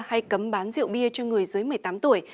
hay cấm bán rượu bia cho người dưới một mươi tám tuổi